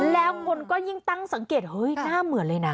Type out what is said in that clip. แล้วคนก็ยิ่งตั้งสังเกตเฮ้ยหน้าเหมือนเลยนะ